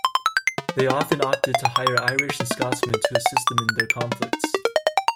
They often opted to hire Irish- and Scotsmen to assist them in their conflicts.